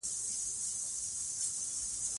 نورستان د افغانستان په هره برخه کې موندل کېږي.